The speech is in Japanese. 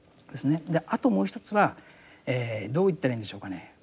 あともう一つはどう言ったらいいんでしょうかね。